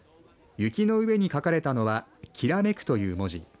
雪の上に書かれたのは煌という文字。